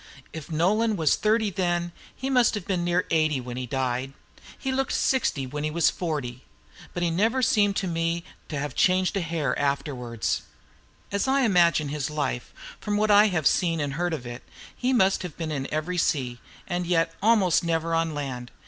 If Nolan was thirty then, he must have been near eighty when he died. He looked sixty when he was forty. But he never seemed to me to change a hair afterwards. As I imagine his life, from what I have seen and heard of it, he must have been in every sea, and yet almost never on land.